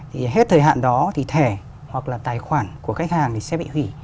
thì hết thời hạn đó thì thẻ hoặc là tài khoản của khách hàng thì sẽ bị hủy